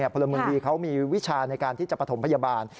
พลเมืองดีเขามีวิชาในการที่จะประถมพยาบาล